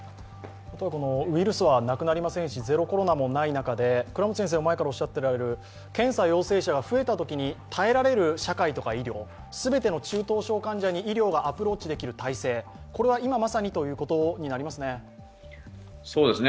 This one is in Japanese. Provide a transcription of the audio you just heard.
ウイルスはなくなりませんし、ゼロ・コロナもない中で検査陽性者が増えたときに耐えられる社会とか医療、全ての中等症患者に医療がアプローチできる体制、今まさにということになりますね。